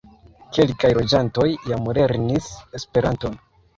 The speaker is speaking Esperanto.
Kelkaj loĝantoj jam lernis Esperanton.